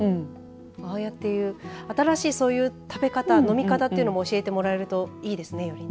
ああやって新しいそういう食べ方飲み方というのも教えてもらえるといいですね。